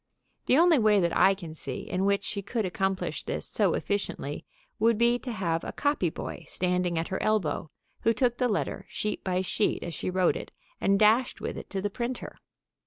The only way that I can see in which she could accomplish this so efficiently would be to have a copy boy standing at her elbow, who took the letter, sheet by sheet, as she wrote it, and dashed with it to the printer.